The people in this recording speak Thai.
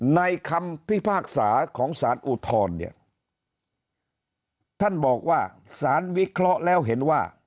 ในคำพิพากษาของศาลอุทธรท่านบอกว่าศาลวิเคราะห์แล้วเห็นว่า